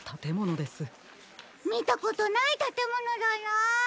みたことないたてものだな。